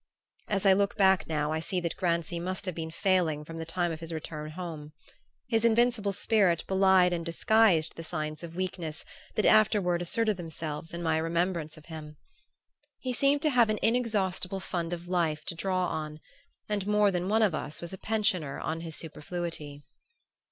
As I look back now I see that Grancy must have been failing from the time of his return home. His invincible spirit belied and disguised the signs of weakness that afterward asserted themselves in my remembrance of him. He seemed to have an inexhaustible fund of life to draw on, and more than one of us was a pensioner on his superfluity.